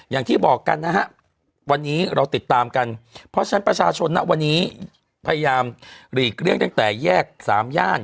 อย่างที่บอกกันนะฮะวันนี้เราติดตามกันเพราะฉะนั้นประชาชนนะวันนี้พยายามหลีกเลี่ยงตั้งแต่แยกสามย่าน